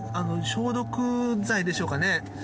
消毒剤でしょうかね。